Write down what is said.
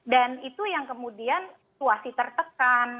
itu yang kemudian situasi tertekan